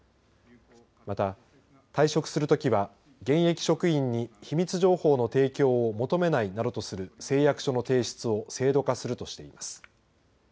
また、退職するときは現役職員に秘密情報の提供を求めないなどとする誓約書の提出を制度化するとしています。